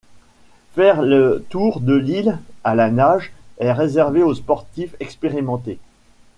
Faire le tour de l'île à la nage est réservé aux sportifs expérimentés.